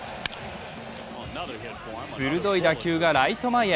鋭い打球がライト前へ。